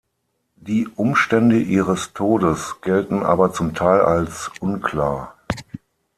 Die Umstände ihres Todes gelten aber zum Teil als unklar.